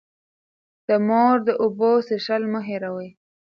د مور د اوبو څښل مه هېروئ.